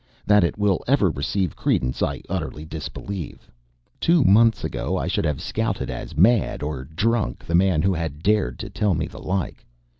That it will ever receive credence I utterly disbelieve. Two months ago I should have scouted as mad or drunk the man who had dared tell me the like.